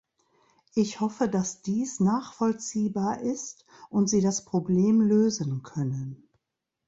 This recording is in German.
Ich hoffe, dass dies nachvollziehbar ist und Sie das Problem lösen können.